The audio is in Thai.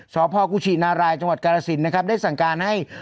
สพกุชินารายจังหวัดกาลสินนะครับได้สั่งการให้